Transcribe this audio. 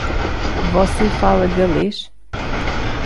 Você fala galês?